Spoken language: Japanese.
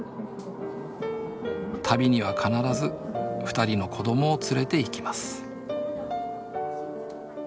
旅には必ず２人の子供を連れていきます